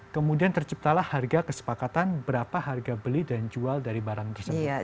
kemudian terciptalah harga kesepakatan berapa harga beli dan jual dari barang tersebut